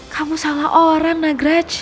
kamu salah orang nagraj